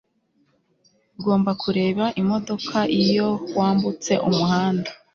Ugomba kureba imodoka iyo wambutse umuhanda